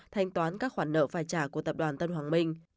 thanh toán các khoản nợ phải trả của tập đoàn tân hoàng minh